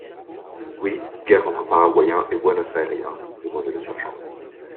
Oui, guerre entre Paraguayens et Buénos-Ayriens, répondit le sergent.